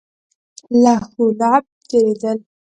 لهو لعب تېرېدل.